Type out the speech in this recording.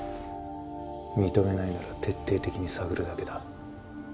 認めないなら徹底的に探るだけだ。